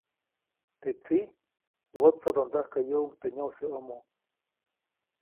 Te tsiʼ wotsodondäjkäyuʼuŋ teʼ nyoʼseʼomo.